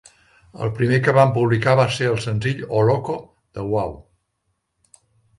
El primer que van publicar va ser el senzill "O'Locco" de Wau!